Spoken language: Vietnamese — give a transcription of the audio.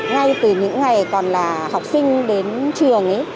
ngay từ những ngày còn là học sinh đến trường